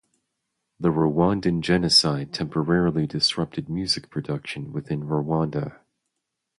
The Rwandan genocide temporarily disrupted music production within Rwanda.